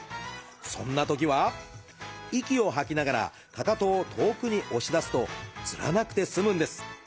そんなときは息を吐きながらかかとを遠くに押し出すとつらなくて済むんです。